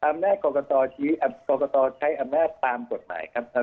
อำนาจกรกตใช้อำนาจตามกฎหมายครับ